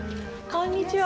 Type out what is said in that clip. こんにちは。